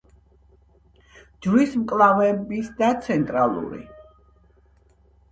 ჯვრის მკლავების და ცენტრალური.